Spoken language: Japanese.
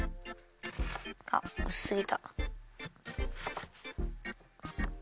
あっうすすぎた。